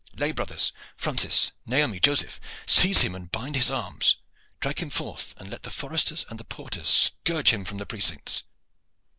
lay brothers Francis, Naomi, Joseph seize him and bind his arms! Drag him forth, and let the foresters and the porters scourge him from the precincts!"